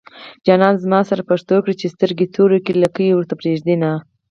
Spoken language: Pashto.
جانان زما سره پښتو کړي چې سترګې توري کړي لکۍ ورته پرېږدينه